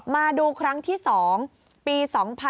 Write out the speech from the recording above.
มาดูครั้งที่๒ปี๒๕๖๒